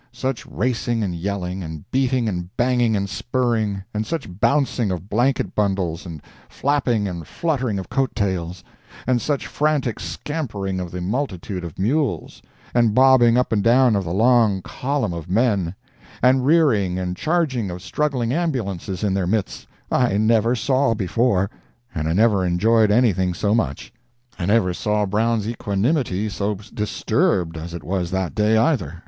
Such racing and yelling, and beating and banging and spurring, and such bouncing of blanket bundles, and flapping and fluttering of coat tails, and such frantic scampering of the multitude of mules, and bobbing up and down of the long column of men, and rearing and charging of struggling ambulances in their midst, I never saw before, and I never enjoyed anything so much. I never saw Brown's equanimity so disturbed as it was that day, either.